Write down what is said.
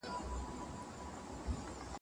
ایمان بې عمله نه وي.